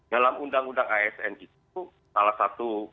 dalam undang undang asn itu